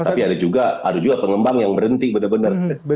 tapi ada juga pengembang yang berhenti benar benar